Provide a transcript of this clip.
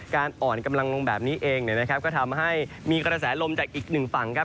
อ่อนกำลังลงแบบนี้เองเนี่ยนะครับก็ทำให้มีกระแสลมจากอีกหนึ่งฝั่งครับ